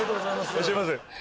いらっしゃいませ。